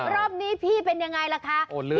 รอบนี้พี่เป็นยังไงล่ะคะ